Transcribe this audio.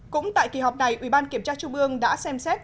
cũng tại kỳ họp này ủy ban kiểm tra trung ương đã xem xét